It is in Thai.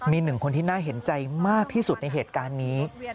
มีหนึ่งคนที่น่าเห็นใจมากที่สุดในเหตุการณ์นี้